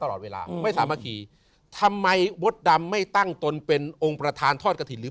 ตลอดเวลาไม่สามารถขี่ทำไมมดดำไม่ตั้งตนเป็นองค์ประธานทอดกระถิ่นหรือ